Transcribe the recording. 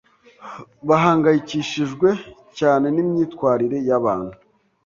bahangayikishijwe cyane n’imyitwarire y’abantu